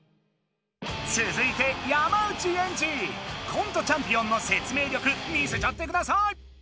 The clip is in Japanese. つづいて山内エンジ！コントチャンピオンの説明力見せちゃってください！